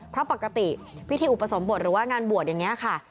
เพราะปกติพิธีอุปสมบทหรือว่างานบวชอย่างนี้ค่ะ